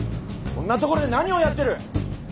こんなところで何をやってる！